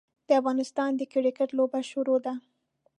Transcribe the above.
د افغانستان د کرکیټ لوبه شروع ده.